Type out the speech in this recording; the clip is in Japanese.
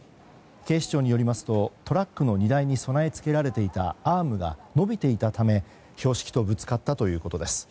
警視庁によりますとトラックの荷台に備え付けられていたアームが伸びていたため標識とぶつかったということです。